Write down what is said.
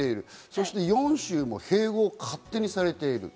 そして４州も併合を勝手にされている。